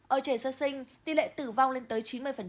ở trẻ sơ sinh tỷ lệ tử vong lên tới chín mươi